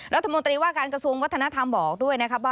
รัฐมนตรีว่าการกระทรวงวัฒนธรรมบอกด้วย